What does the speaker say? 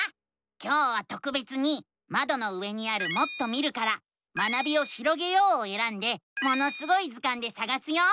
今日はとくべつにまどの上にある「もっと見る」から「学びをひろげよう」をえらんで「ものすごい図鑑」でさがすよ。